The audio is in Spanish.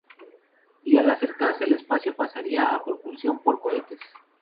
Y al acercarse al espacio pasaría a propulsión por cohetes.